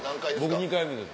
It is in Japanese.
僕２回目です。